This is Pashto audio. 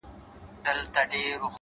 ه ژوند نه و؛ را تېر سومه له هر خواهیسه ؛